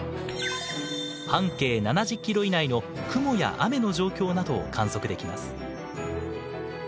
半径７０ｋｍ以内の雲や雨の状況などを観測できます。